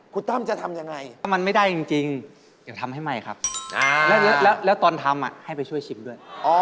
คุณตั้มจะทำยังไงถ้ามันไม่ได้จริงเดี๋ยวทำให้ใหม่ครับแล้วตอนทำให้ไปช่วยชิมด้วย